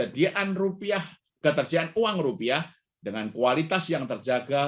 ketersediaan uang rupiah dengan kualitas yang terjaga